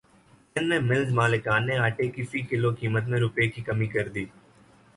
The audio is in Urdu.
سندھ میں ملز مالکان نے اٹے کی فی کلو قیمت میں روپے کی کمی کردی